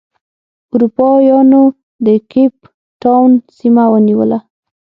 اروپا یانو د کیپ ټاون سیمه ونیوله.